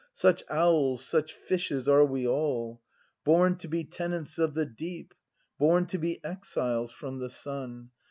Such owls, such fishes, are we all. Born to be tenants of the deep. Born to be exiles from the sun.